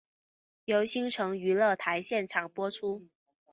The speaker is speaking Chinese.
由新城娱乐台现场播出。